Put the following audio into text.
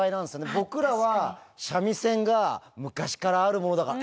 僕らは、三味線が昔からあるものだから、え？